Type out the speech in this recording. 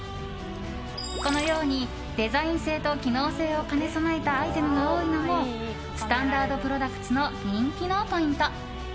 このようにデザイン性と機能性を兼ね備えたアイテムが多いのもスタンダードプロダクツの人気のポイント。